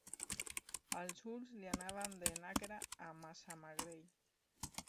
Els ulls li anaven de Nàquera a Massamagrell.